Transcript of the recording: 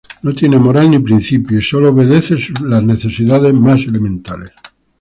No tiene moral ni principios, y sólo obedecen sus necesidades más elementales.